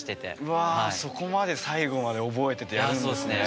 うわそこまで最後まで覚えててやるんですね。